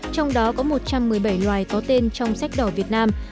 trong đó có một trăm một mươi bảy loài có tên trong sách đỏ việt nam